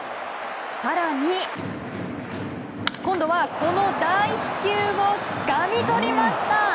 更に、今度はこの大飛球をつかみとりました。